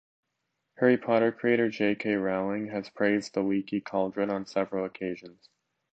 Harry Potter creator J. K. Rowling has praised The Leaky Cauldron on several occasions.